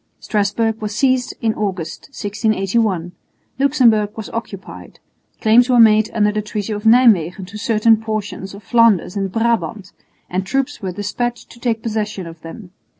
Strasburg was seized in August, 1681; Luxemburg was occupied; claims were made under the treaty of Nijmwegen to certain portions of Flanders and Brabant, and troops were despatched to take possession of them.